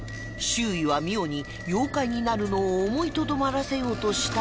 周囲は澪に妖怪になるのを思いとどまらせようとしたが